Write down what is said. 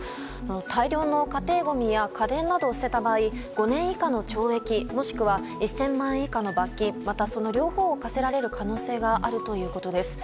大量の家庭ごみや家電などを捨てた場合５年以下の懲役もしくは１０００万円以下の罰金また、その両方を科せられる可能性があるということです。